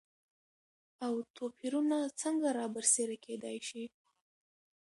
او توپېرونه څنګه رابرسيره کېداي شي؟